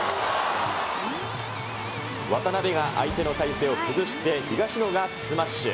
渡辺が相手の体勢を崩して東野がスマッシュ。